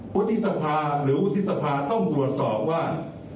ปติศภาหรืออุโธษภาต้องตรวจสอบว่า